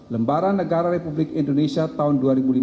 lembaran negara republik indonesia tahun dua ribu lima belas